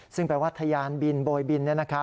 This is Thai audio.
ซึ่งแปลว่าทะยานบินโบยบิน